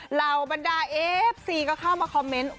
เหล่าบรรดาเอฟซีก็เข้ามาคอมเมนต์